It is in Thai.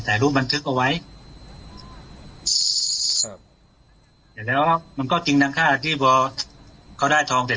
ถ่ายรูปบันทึกเอาไว้ครับเสร็จแล้วมันก็จริงดังค่าที่พอเขาได้ทองเสร็จ